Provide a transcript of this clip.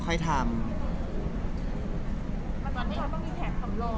ตอนนี้มันต้องมีแผนสำรองไหม